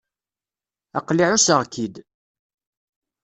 Aql-i ɛusseɣ-k-id.